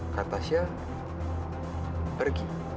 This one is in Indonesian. kak tasya pergi